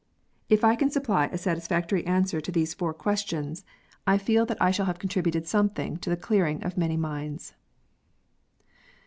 If I can supply a satisfactory answer to these four questions, 87 88 KSOTS UNTIED. I feel that I shall have contributed something to the clearing of many minds.